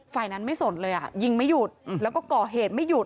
ฝ่ายนั้นไม่สนเลยอ่ะยิงไม่หยุดแล้วก็ก่อเหตุไม่หยุด